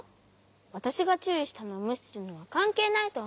わたしがちゅういしたのをむしするのはかんけいないとおもうし。